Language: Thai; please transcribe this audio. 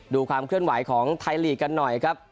ดูความเคลื่อนไหวของไทยลีกกันหน่อยครับ